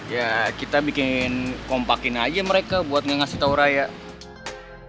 ya kita bikin kompakin aja mereka buat ngasih tau raya